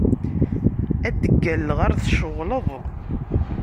Ad d-ggalleɣ ar tceɣleḍ.